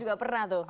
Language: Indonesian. gak pernah tuh